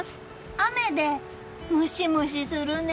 雨でムシムシするね。